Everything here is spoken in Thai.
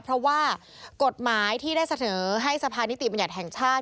เพราะว่ากฎหมายที่ได้เสนอให้สภานิติบัญญัติแห่งชาติ